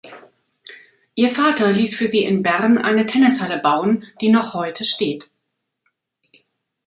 Ihr Vater ließ für sie in Bern eine Tennishalle bauen, die noch heute steht.